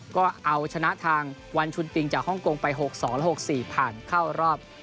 ก็เอาชนะทางวันชุนปิงจากฮ่องกงไป๖๒และ๖๔ผ่านเข้ารอบ